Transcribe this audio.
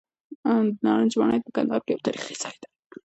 د نارنج ماڼۍ په کندهار کې یو تاریخي ځای دی.